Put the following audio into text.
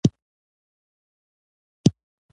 هره ورځ اړینه ده